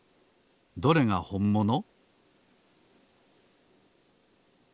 どれがほんもの？